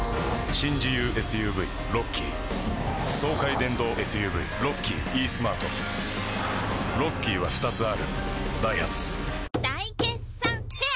新自由ＳＵＶロッキー爽快電動ＳＵＶロッキーイースマートロッキーは２つあるダイハツ大決算フェア